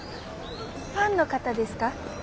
ファンの方ですか？